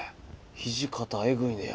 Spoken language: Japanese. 土方えぐいねや。